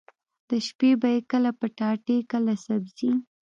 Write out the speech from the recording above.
د شپې به يې کله پټاټې کله سبزي.